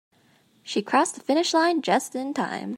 She crossed the finish line just in time.